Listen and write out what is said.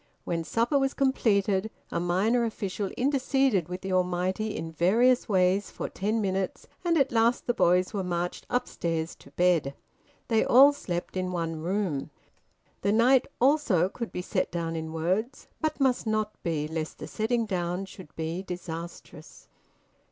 When supper was completed, a minor official interceded with the Almighty in various ways for ten minutes, and at last the boys were marched upstairs to bed. They all slept in one room. The night also could be set down in words, but must not be, lest the setting down should be disastrous...